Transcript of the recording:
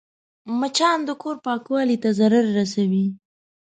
مچان د کور پاکوالي ته ضرر رسوي